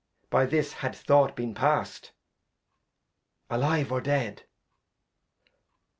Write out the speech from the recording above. By this had Thought been past. Alive, or Dead ?